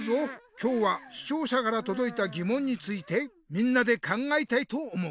今日はしちょうしゃからとどいたぎもんについてみんなで考えたいと思う。